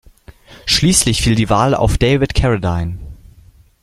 Schließlich fiel die Wahl auf David Carradine.